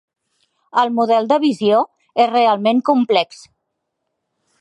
El model de visió és realment complex.